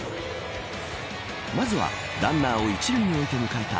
まずは、ランナーを１塁に置いて迎えた